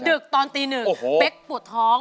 ดึกตอนตีหนึ่งเป๊กปวดท้อง